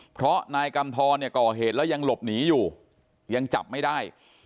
เพราะนายกำทรเนี่ยก่อเหตุแล้วยังหลบหนีอยู่ยังจับไม่ได้